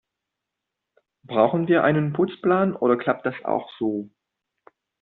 Brauchen wir einen Putzplan, oder klappt das auch so?